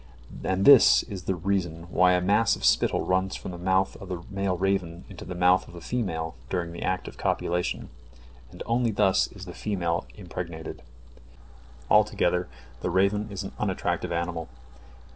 And this is the reason why a mass of spittle runs from the mouth of the male raven into the mouth of the female during the act of copulation, and only thus the female is impregnated. Altogether the raven is an unattractive animal.